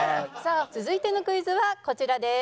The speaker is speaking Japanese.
続いてのクイズはこちらです。